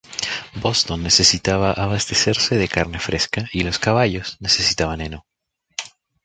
Boston necesitaba abastecerse de carne fresca, y los caballos necesitaban heno.